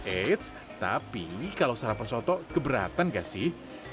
eits tapi kalau sarapan soto keberatan gak sih